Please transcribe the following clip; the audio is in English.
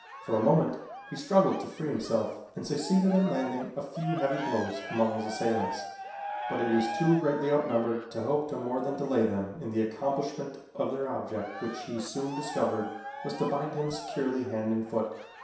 For a moment he struggled to free himself and succeeded in landing a few heavy blows among his assailants, but he was too greatly outnumbered to hope to more than delay them in the accomplishment of their object which he soon discovered was to bind him securely hand and foot.